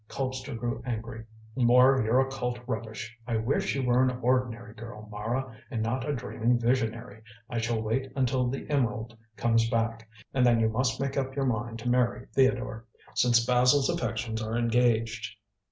Colpster grew angry; "more of your occult rubbish. I wish you were an ordinary girl, Mara, and not a dreaming visionary. I shall wait until the emerald comes back, and then you must make up your mind to marry Theodore, since Basil's affections are engaged."